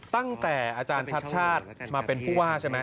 ตั้งแต่อาจารย์ชัดชาติมาเป็นผู้ว่าใช่ไหม